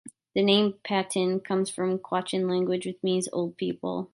The name "Patayan" comes from the Quechan language and means "old people".